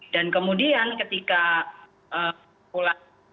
dan kemudian ketika pulang